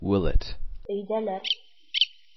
Өйҙәләр.